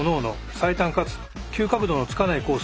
最短かつ急角度のつかないコース